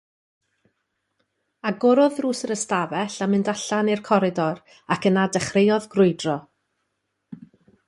Agorodd ddrws yr ystafell a mynd allan i'r coridor, ac yna dechreuodd grwydro.